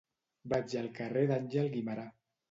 Vaig al carrer d'Àngel Guimerà.